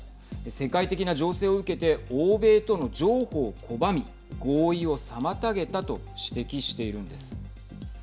世界的な情勢を受けて欧米との譲歩を拒み合意を妨げたと指摘しているんです。